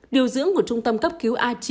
điều dưỡng của trung tâm cấp cứu a chín